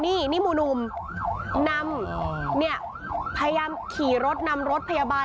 นี่นี่หมู่หนุ่มนำเนี่ย